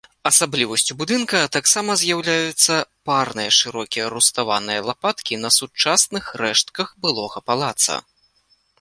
Асаблівасцю будынка таксама з'яўляюцца парныя шырокія руставаныя лапаткі на сучасных рэштках былога палаца.